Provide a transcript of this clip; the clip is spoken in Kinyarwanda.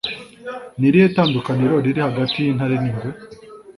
ni irihe tandukaniro riri hagati y'intare n'ingwe